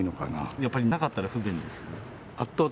やっぱりなかったら不便ですか？